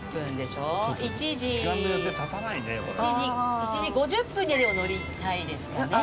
１時５０分にはでも乗りたいですかね。